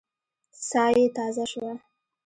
ساه يې تازه شوه.